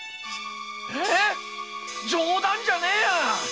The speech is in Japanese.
冗談じゃねえや！